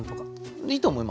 いいと思いますよ。